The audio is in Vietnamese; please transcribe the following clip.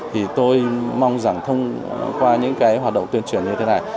thì tôi mong rằng thông qua những cái hoạt động tuyên truyền như thế này